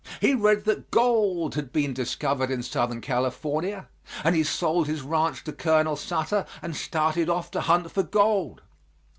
He read that gold had been discovered in Southern California, and he sold his ranch to Colonel Sutter and started off to hunt for gold.